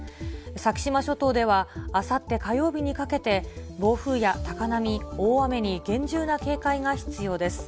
先島諸島ではあさって火曜日にかけて、暴風や高波、大雨に厳重な警戒が必要です。